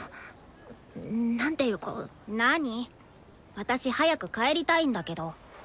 私早く帰りたいんだけど。